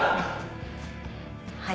はい。